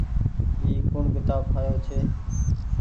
اي ڪوڻ ڪيتآب ٺآيو ڇي